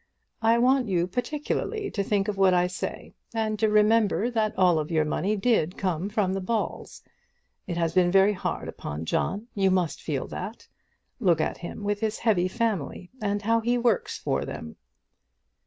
I want you particularly to think of what I say, and to remember that all your money did come from the Balls. It has been very hard upon John, you must feel that. Look at him with his heavy family, and how he works for them!"